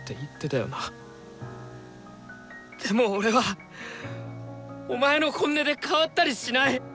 でも俺はお前の本音で変わったりしない！